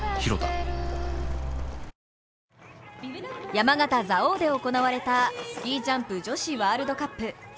山形・蔵王で行われたスキージャンプ女子ワールドカップ。